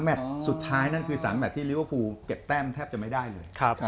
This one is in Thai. สุดท้ายนั่นคือ๓แมทที่ลิเวอร์ฟูลเก็บแต้มแทบจะไม่ได้เลย